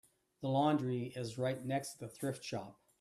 The laundry is right next to the thrift shop.